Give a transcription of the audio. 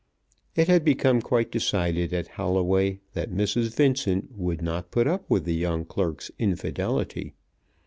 It had become quite decided at Holloway that Mrs. Vincent would not put up with the young clerk's infidelity.